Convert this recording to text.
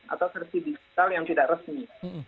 atau versi digital yang tidak resmi